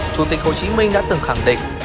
chủ tịch hồ chí minh đã từng khẳng định